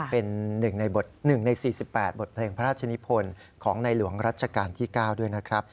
เป็น๑ใน๔๘บทเพลงพระราชนิพลของในหลวงรัชกาลที่๙ด้วยนะครับ